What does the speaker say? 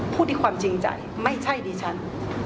พูดที่ความจริงใจไม่ใช่ดิฉัน